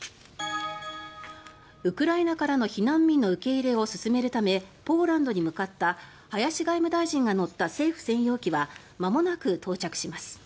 ウクライナからの避難民の受け入れを進めるためポーランドに向かった林外務大臣が乗った政府専用機はまもなく到着します。